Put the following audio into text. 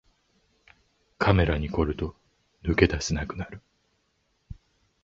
カメラに凝ると抜け出せなくなる